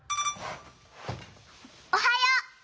おはよう！